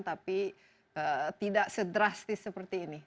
tapi tidak sedrastis seperti ini